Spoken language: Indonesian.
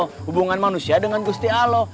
hubungan manusia dengan gusti alo